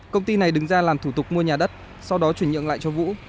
công ty này đứng ra làm thủ tục mua nhà đất sau đó chuyển nhượng lại cho vũ